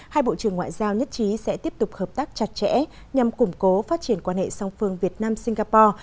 hai bộ trưởng ngoại giao nhất trí sẽ tiếp tục hợp tác chặt chẽ nhằm củng cố phát triển quan hệ song phương việt nam singapore